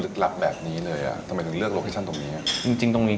ทำไมถึงเลือกโลเคชันตรงนี้